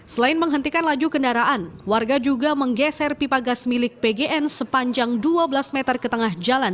selain menghentikan laju kendaraan warga juga menggeser pipa gas milik pgn sepanjang dua belas meter ke tengah jalan